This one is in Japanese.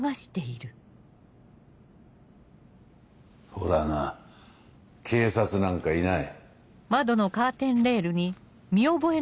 ほらな警察なんかいない。